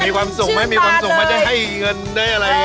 มีความสุขไหมมีความสุขไหมได้ให้เงินได้อะไร